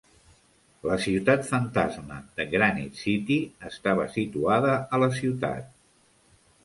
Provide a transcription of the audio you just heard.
La ciutat fantasma de Granit City estava situada a la ciutat.